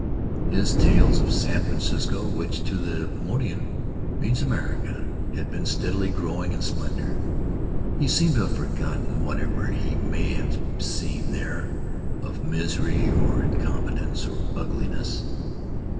His tales of San Francisco — which, to the Paumotuan, means America — had been steadily grow ing in splendor. He seemed to have forgotten what ever he may have seen there of misery or incompetence or ugliness.